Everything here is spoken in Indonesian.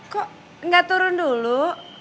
kok gak turun dulu